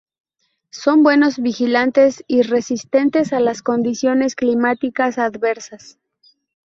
Son buenos vigilantes y resistentes a las condiciones climáticas adversas.